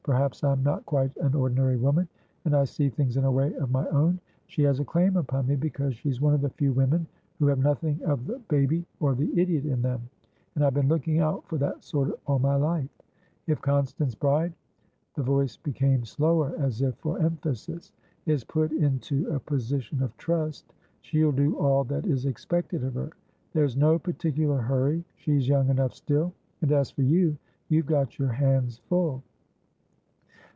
Perhaps I'm not quite an ordinary woman, and I see things in a way of my own. She has a claim upon me, because she's one of the few women who have nothing of the baby or the idiot in them, and I've been looking out for that sort all my life. If Constance Bride"the voice became slower, as if for emphasis"is put into a position of trust, she'll do all that is expected of her. There's no particular hurry; she's young enough still. And as for you, you've got your hands full."